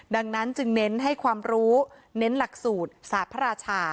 ดังนั้นจึงเน้นให้ความรู้เน้นหลักสูตรสาพระราชา